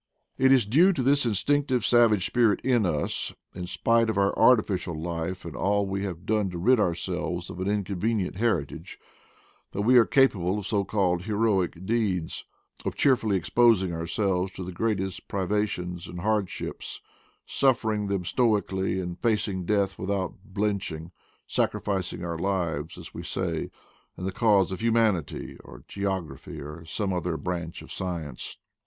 It is due to this instinctive savage spirit in us, in spite of our artificial life and all we have done to rid ourselves of an inconvenient heritage, that we are capable of so called heroic deeds; of cheerfully exposing ourselves to the greatest privations and hardships, suffering them stoically, and facing death without blenching, sac rificing our lives, as we say, in the cause of hu manity, or geography, or some other branch of science.